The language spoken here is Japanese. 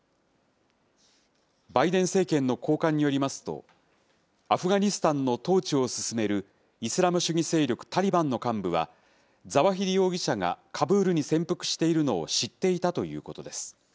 バイデン政権の高官によりますと、アフガニスタンの統治を進めるイスラム主義勢力タリバンの幹部は、ザワヒリ容疑者がカブールに潜伏しているのを知っていたということです。